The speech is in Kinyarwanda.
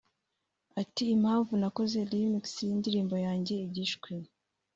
Ati “ Impamvu nakoze remix y’indirimbo yanjye ‘Igishwi’